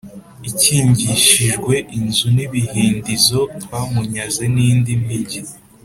ikingishijwe inzugi n ibihindizo Twamunyaze n indi migi